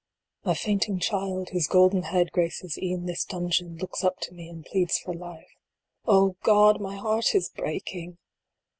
My fainting child, whose golden head graces e en this dungeon, looks up to me and pleads for life. God ! my heart is breaking